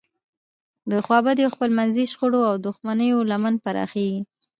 د خوابدیو، خپلمنځي شخړو او دښمنیو لمن پراخیږي.